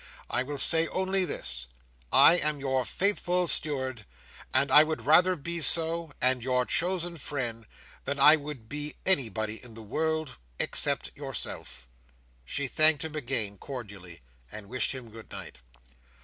I will say only this: I am your faithful steward; and I would rather be so, and your chosen friend, than I would be anybody in the world, except yourself." She thanked him again, cordially, and wished him good night.